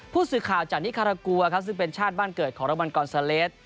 ผู้สื่อข่าวจากนิคารากัวครับซึ่งเป็นชาติบ้านเกิดของรางวัลกอนซาเลส